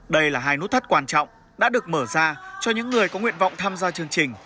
đây là hai nút thắt quan trọng đã được mở ra cho những người có nguyện vọng tham gia chương trình